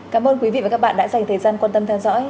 cảm ơn quý vị và các bạn đã dành thời gian quan tâm theo dõi